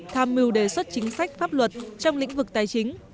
tham mưu đề xuất chính sách pháp luật trong lĩnh vực tài chính